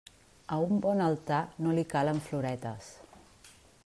A un bon altar no li calen floretes.